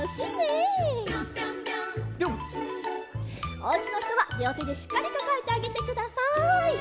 おうちのひとはりょうてでしっかりかかえてあげてください。